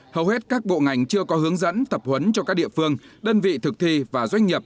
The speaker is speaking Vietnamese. hầu hết các bộ ngành chưa có hướng dẫn tập huấn cho các địa phương đơn vị thực thi và doanh nghiệp